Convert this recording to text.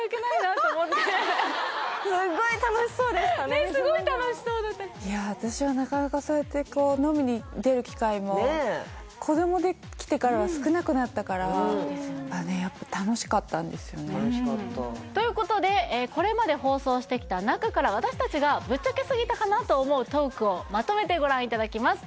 ねっすごい楽しそうだったいや私はなかなかそうやってこうやっぱ楽しかったんですよね楽しかったということでこれまで放送してきた中から私達がぶっちゃけすぎたかな？と思うトークをまとめてご覧いただきます